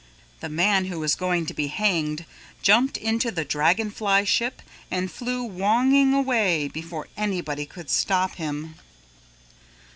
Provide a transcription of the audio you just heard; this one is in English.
The man who was going to be hanged jumped into the dragon fly ship and flew whonging away before anybody could stop him.